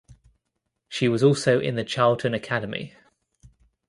She was also in the Charlton academy.